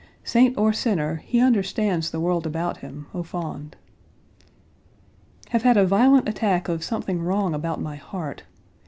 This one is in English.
Saint or sinner, he understands the world about him au fond. Page 128 Have had a violent attack of something wrong about my heart.